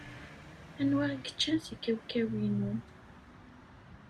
Anwa i yeččan seg kawkaw-inu?